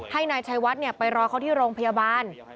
ให้นายชัยวัดไปรอเขาที่โรงพยาบาล